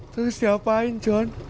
terus diapain john